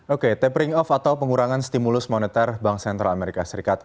oke tapering off atau pengurangan stimulus moneter bank sentral amerika serikat